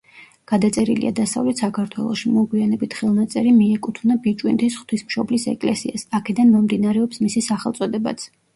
გადაწერილია დასავლეთ საქართველოში; მოგვიანებით ხელნაწერი მიეკუთვნა ბიჭვინთის ღვთისმშობლის ეკლესიას, აქედან მომდინარეობს მისი სახელწოდებაც.